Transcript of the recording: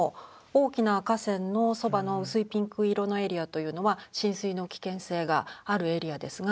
大きな河川のそばの薄いピンク色のエリアというのは浸水の危険性があるエリアですが。